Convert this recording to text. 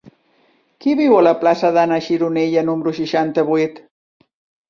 Qui viu a la plaça d'Anna Gironella número seixanta-vuit?